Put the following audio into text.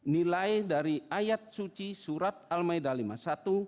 nilai dari ayat suci surat al ma'idah lima puluh satu